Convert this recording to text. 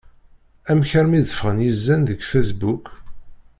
Amek armi d-ffɣen yizan deg Facebook?